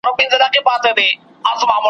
موږ پخپله ګناه کاریو ګیله نسته له شیطانه ,